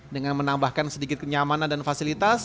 dengan menambahkan sedikit kenyamanan dan fasilitas